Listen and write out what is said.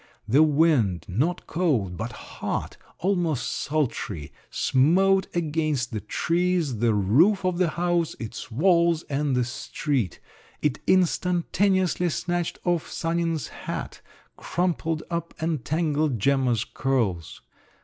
The wind, not cold, but hot, almost sultry, smote against the trees, the roof of the house, its walls, and the street; it instantaneously snatched off Sanin's hat, crumpled up and tangled Gemma's curls.